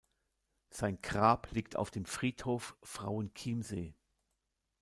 Sein Grab liegt auf dem Friedhof Frauenchiemsee.